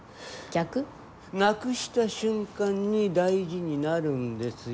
なくした瞬間に大事になるんですよ。